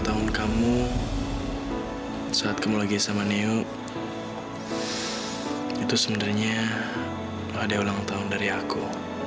tahun kamu saat kamu lagi sama neu itu sebenarnya ada ulang tahun dari aku